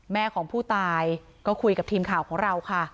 แม่ของผู้ตายก็คุยกับทีมข่าวของเราค่ะ